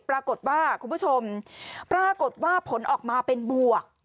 ปรากฏว่าคุณผู้ชมปรากฏว่าผลออกมาเป็นบวก